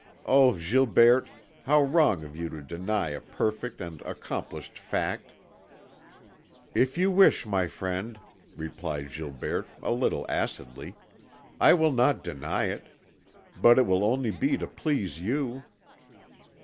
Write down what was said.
Oh, Gilberte, how wrong of you to deny a perfect and accomplished fact!" "If you wish, my friend," replied Gilberte, a little acidly, "I will not deny it. But it will only be to please you."